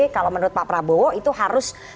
kalau menurut pak prabowo itu harus